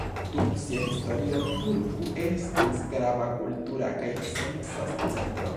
Dum sia historio, Turku estis grava kultura kaj scienca centro.